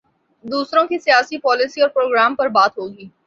دوسروں کی سیاسی پالیسی اور پروگرام پر بات ہو گی۔